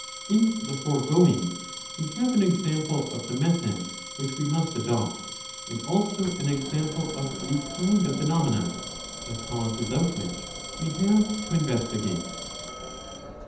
]^^ In the foregoing we have an example of the method which we must adopt, and also an example of the kind of phenomena, the causes of which we have to investigate.